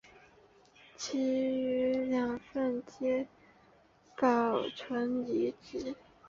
其余两份皆保存至今。